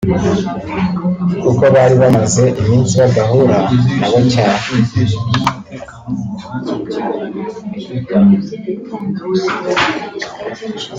kuko bari bamaze iminsi badahura na bo cyane